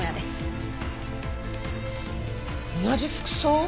同じ服装？